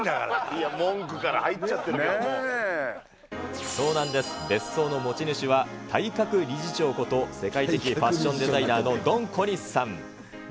いや、文句から入っちゃってそうなんです、別荘の持ち主は持ち主は体格理事長こと世界的ファッションデザイナーのドン小西さん。